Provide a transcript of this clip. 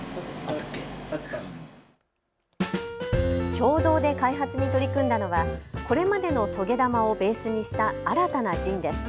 共同で開発に取り組んだのはこれまでの棘玉をベースにした新たなジンです。